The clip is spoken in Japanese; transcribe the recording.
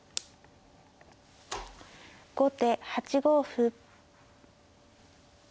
後手８五歩。